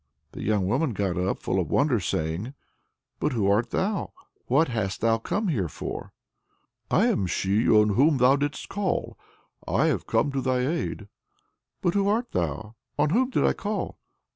The young woman got up, full of wonder, saying: "But who art thou? What hast thou come here for?" "I am she on whom thou didst call. I have come to thy aid." "But who art thou? On whom did I call?"